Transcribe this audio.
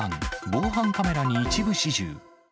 防犯カメラに一部始終。